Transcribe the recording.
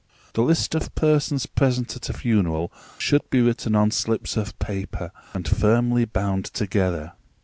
] The list of persons present at a funeral should be written on slips of paper, and firmly bound together.